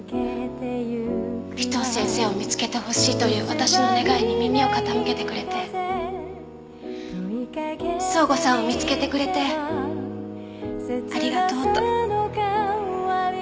尾藤先生を見つけてほしいという私の願いに耳を傾けてくれて奏吾さんを見つけてくれてありがとうと。